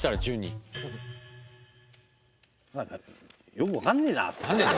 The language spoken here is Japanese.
よくわかんねえな。